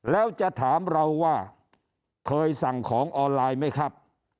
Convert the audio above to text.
แล้วจะถามเราว่าเคยสั่งของออนไลน์ไหมครับ